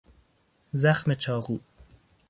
زخم چاقو